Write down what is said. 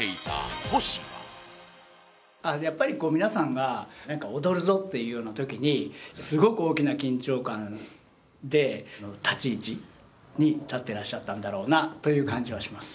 やっぱりこう皆さんが踊るぞっていうような時にすごく大きな緊張感で立ち位置に立ってらっしゃったんだろうなという感じはします。